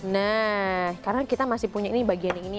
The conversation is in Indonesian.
nah karena kita masih punya ini bagian ini